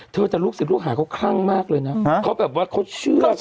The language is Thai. ถ้าจัดลูกศึกลูกหาเขาก็ครั่งมากเลยเขาว่าเขาเชื่อ